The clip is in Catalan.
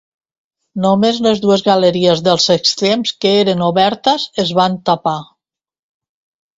Només les dues galeries dels extrems, que eren obertes, es van tapar.